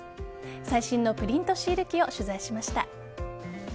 最新のプリントシール機を取材しました。